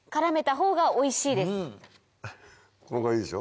このぐらいでいいでしょ？